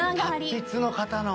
達筆の方の。